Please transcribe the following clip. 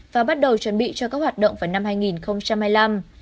và bắt đầu chuẩn bị cho các hoạt động vào năm hai nghìn hai mươi năm